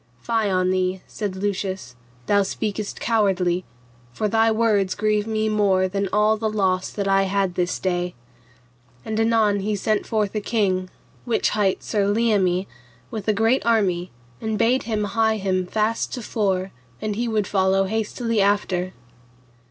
Fie on thee, said Lucius, thou speakest cowardly; for thy words grieve me more than all the loss that I had this day. And anon he sent forth a king, which hight Sir Leomie, with a great army, and bade him hie him fast to fore, and he would follow hastily after.